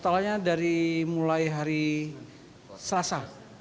totalnya dari mulai hari selasa